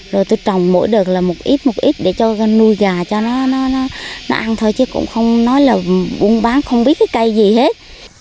rồi tôi trồng mỗi đợt là một ít một ít để cho nuôi gà cho nó ăn thôi chứ cũng không nói là buôn bán không biết cái cây gì hết